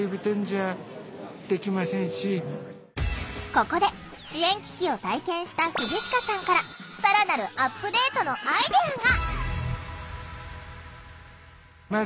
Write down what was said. ここで支援機器を体験した藤鹿さんから更なるアップデートのアイデアが！